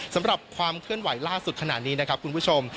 สำหรับความเคลื่อนไหวล่าสุดขนาดนี้นะครับคุณผู้ชม